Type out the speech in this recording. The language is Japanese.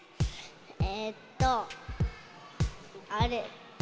えっとあれ。